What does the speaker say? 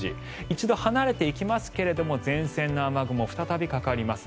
一度、離れていきますけれども前線の雨雲再びかかります。